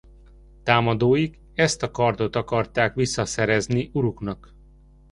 Támadóik ezt a kardot akarták visszaszerezni uruknak.